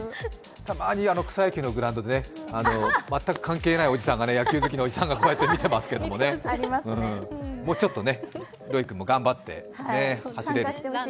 たまに草野球のグラウンドで、全く関係ない野球好きのおじさんがこうやって見てますけど、もうちょっとロイル君も頑張って。